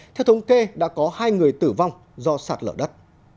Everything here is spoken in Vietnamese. theo thống kê đã có hai người tử vong do sạt lở đất